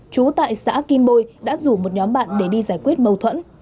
chú tại xã kim bôi đã rủ một nhóm bạn để đi giải quyết mâu thuẫn